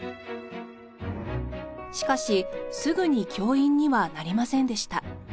しかしすぐに教員にはなりませんでした。